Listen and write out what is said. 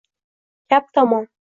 Gap tamom!